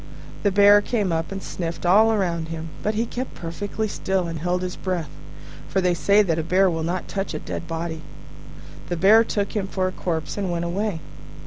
The Bear came up and sniffed all round him, but he kept perfectly still and held his breath: for they say that a bear will not touch a dead body. The Bear took him for a corpse, and went away.